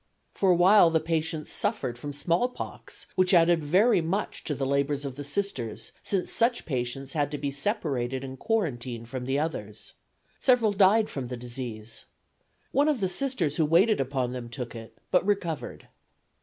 For a while the patients suffered from smallpox, which added very much to the labors of the Sisters, since such patients had to be separated and quarantined from the others. Several died from the disease. One of the Sisters who waited upon them took it, but recovered.